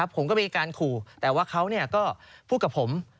ผมก็มีการขู่แต่ว่าเขาก็พูดกับผม